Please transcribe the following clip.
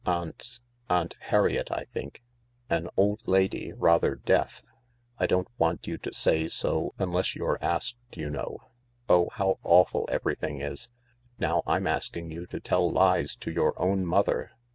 Aunt — Aunt Harriet, I think; an old lady, rather deaf. I don't want you to say so unless you're asked, you know. Oh, how awful everything is 1 Now I'm asking you to tell lies to your own mother."